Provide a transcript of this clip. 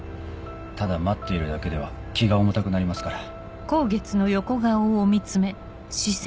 ただ待っているだけでは気が重たくなりますから。